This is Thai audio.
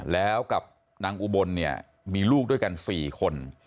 แล้วกับนางอุบลเนี่ยมีลูกด้วยกัน๔คน